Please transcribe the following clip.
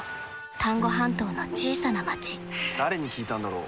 丹後半島の小さな町誰に聞いたんだろう。